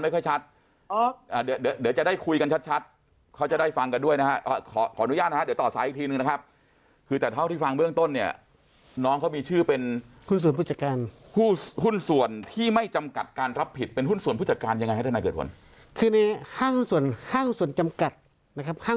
เดี๋ยวจะได้คุยกันชัดเขาจะได้ฟังกันด้วยนะฮะขอขออนุญาตนะฮะเดี๋ยวต่อสายอีกทีนึงนะครับคือแต่เท่าที่ฟังเบื้องต้นเนี่ยน้องเขามีชื่อเป็นหุ้นส่วนผู้จัดการหุ้นส่วนที่ไม่จำกัดการรับผิดเป็นหุ้นส่วนผู้จัดการยังไงฮะทนายเกิดผลคือในห้างส่วนห้างส่วนจำกัดนะครับข้าง